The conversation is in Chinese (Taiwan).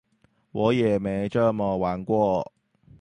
我也沒這麼玩過